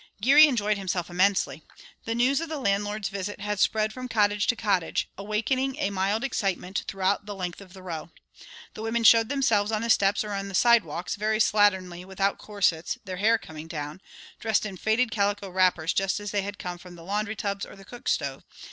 Geary enjoyed himself immensely. The news of the landlord's visit had spread from cottage to cottage, awakening a mild excitement throughout the length of the row. The women showed themselves on the steps or on the sidewalks, very slatternly, without corsets, their hair coming down, dressed in faded calico wrappers just as they had come from the laundry tubs or the cook stove.